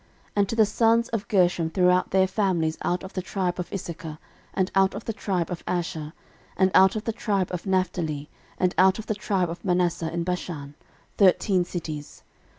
13:006:062 And to the sons of Gershom throughout their families out of the tribe of Issachar, and out of the tribe of Asher, and out of the tribe of Naphtali, and out of the tribe of Manasseh in Bashan, thirteen cities.